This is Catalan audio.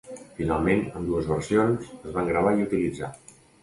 Finalment, ambdues versions es van gravar i utilitzar.